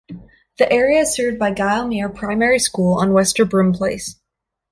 The area is served by Gylemuir Primary School, on Wester Broom Place.